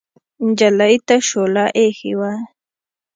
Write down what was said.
نجلۍ ته شوله اېښې وه.